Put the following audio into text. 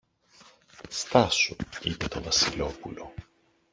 Στάσου, είπε το Βασιλόπουλο.